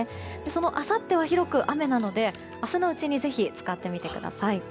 そのあさっては広く雨なので明日のうちにぜひ使ってみてください。